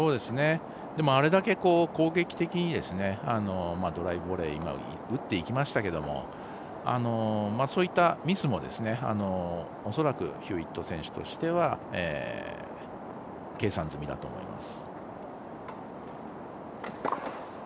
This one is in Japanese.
あれだけ、攻撃的にドライブボレーを打っていきましたけれどもそういったミスも恐らくヒューウェット選手としては計算済みだと思います。